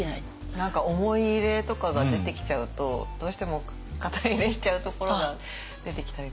何か思い入れとかが出てきちゃうとどうしても肩入れしちゃうところが出てきたりとか。